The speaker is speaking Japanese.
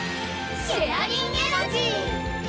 シェアリンエナジー！